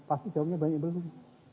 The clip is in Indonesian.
pasti banyak yang belum